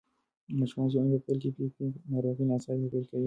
د ماشوم زېږون په پیل کې پي پي پي ناروغي ناڅاپي پیل کوي.